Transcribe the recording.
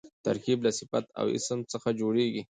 ترکیب له صفت او اسم څخه جوړېږي.